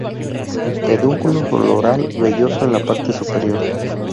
Pedúnculo floral velloso en la parte superior.